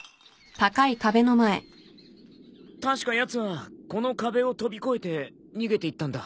確かやつはこの壁を飛び越えて逃げていったんだ。